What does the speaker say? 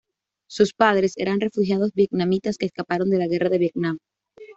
Sus padres eran refugiados vietnamitas que escaparon de la Guerra de Vietnam.